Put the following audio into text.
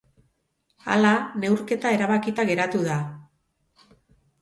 Hala, neurketa erabakita geratu da.